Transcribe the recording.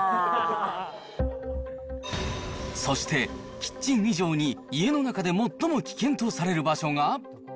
そして、キッチン以上に、家の中で最も危険とされる場所が。